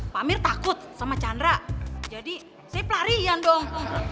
pamir takut sama chandra jadi saya pelarian dong